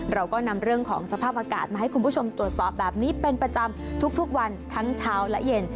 เราก็นำเรื่องของสภาพอากาศมาให้คุณผู้ชมตรวจสอบแบบนี้เป็นประจำทุกวันทั้งเช้าและเย็น